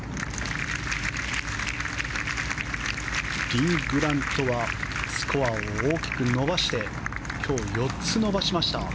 リン・グラントはスコアを大きく伸ばして今日、４つ伸ばしました。